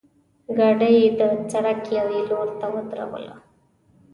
ګاډۍ یې د سړک یوې لورته ودروله.